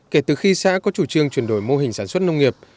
kể từ khi xã có chủ trương chuyển đổi mô hình sản xuất nông nghiệp